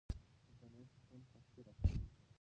د انټرنیټ شتون سختۍ راکموي.